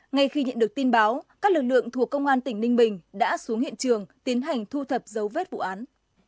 ngay khi nhận được tin báo các lực lượng thuộc công an tỉnh ninh bình đã xuống hiện trường tiến hành thu thập dấu vết vụ án